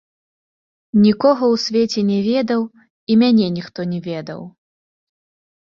Нікога ў свеце не ведаў і мяне ніхто не ведаў.